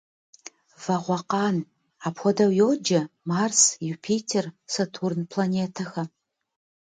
Вагъуэкъан – апхуэдэу йоджэ Марс, Юпитер, Сатурн планетэхэм.